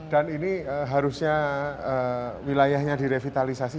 dan ini harusnya wilayahnya direvitalisasi